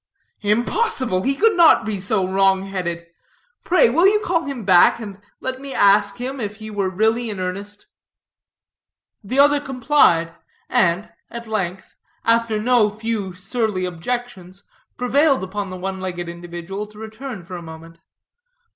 "Impossible! he could not be so wrong headed. Pray, will you call him back, and let me ask him if he were really in earnest?" The other complied; and, at length, after no few surly objections, prevailed upon the one legged individual to return for a moment.